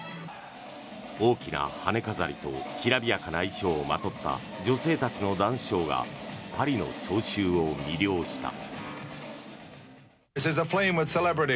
大きな羽飾りときらびやかな衣装をまとった女性たちのダンスショーがパリの聴衆を魅了した。